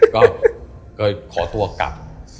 ก็ขอตัวกลับ